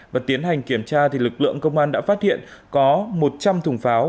và tiến hành kiểm tra lực lượng công an đã phát hiện có một trăm linh thùng pháo